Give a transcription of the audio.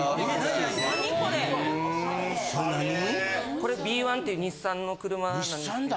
これＢｅ−１っていう日産の車なんですけど。